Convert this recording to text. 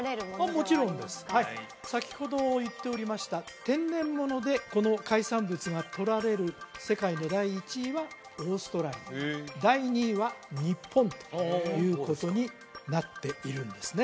もちろんですはい先ほど言っておりました天然物でこの海産物がとられる世界で第１位はオーストラリア第２位は日本ということになっているんですね